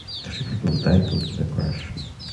Three people died due to the crash.